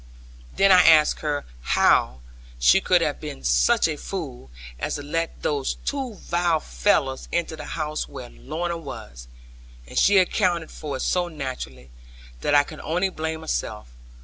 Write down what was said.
Then I asked her how she could have been such a fool as to let those two vile fellows enter the house where Lorna was; and she accounted for it so naturally, that I could only blame myself.